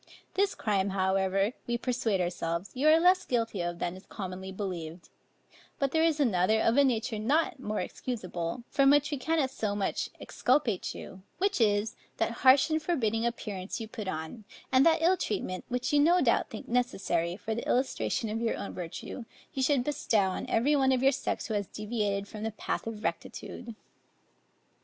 This crime, however, we persuade ourselves, you are less guilty of, than is commonly believed: but there is another of a nature not more excusable, from which we cannot so much exculpate you; which is, that harsh and forbidding appearance you put on, and that ill treatment, which you no doubt think necessary, for the illustration of your own virtue, you should bestow on every one of your sex who has deviated from the path of rectitude.